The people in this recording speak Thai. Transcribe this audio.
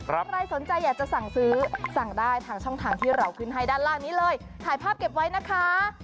ใครสนใจอยากจะสั่งซื้อสั่งได้ทางช่องทางที่เราขึ้นให้ด้านล่างนี้เลยถ่ายภาพเก็บไว้นะคะ